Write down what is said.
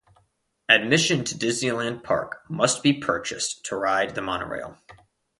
Admission to Disneyland Park must be purchased to ride the Monorail.